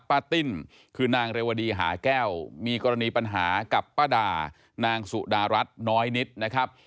ติ้นคือนางเรวดีหาแก้วมีกรณีปัญหากับป้าดานางสุดารัฐน้อยนิดนะครับ